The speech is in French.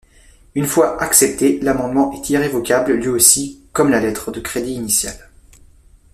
Une fois accepté, l'amendement est irrévocable lui aussi, comme la lettre de crédit initiale.